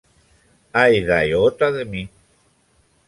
Idiota de mi!